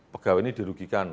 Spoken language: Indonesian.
pegawai ini dirugikan